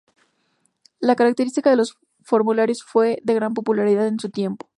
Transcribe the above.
La característica de los formularios fue de gran popularidad en su tiempo.